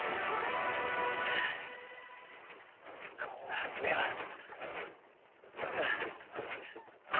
こんなはずでは。